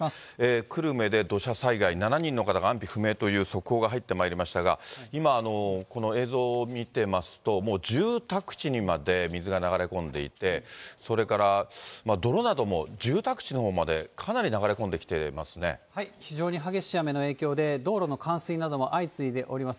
久留米で土砂災害、７人の方が安否不明という速報が入ってまいりましたが、今、この映像見てますと、もう住宅地にまで水が流れ込んでいて、それから泥なども住宅地のほうまで、かなり流れ込非常に激しい雨の影響で、道路の冠水なども相次いでおります。